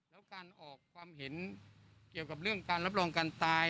แล้วการออกความเห็นเกี่ยวกับเรื่องการรับรองการตาย